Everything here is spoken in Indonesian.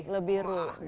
lebih wah gitu